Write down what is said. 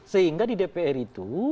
sehingga di dpr itu